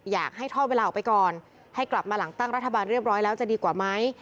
อยากให้ทอดเวลาออกไปก่อนให้กลับมาหลังตั้งรัฐบาลเรียบร้อยแล้วจะดีกว่าไหม